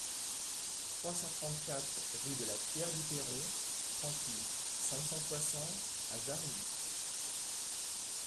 trois cent trente-quatre rue de la Pierre du Perron, trente-huit, cinq cent soixante à Jarrie